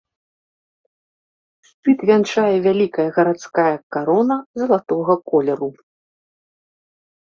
Шчыт вянчае вялікая гарадская карона залатога колеру.